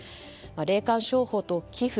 霊感商法と寄付